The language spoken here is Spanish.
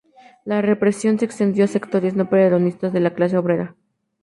La represión se extendió a sectores no peronistas de la clase obrera.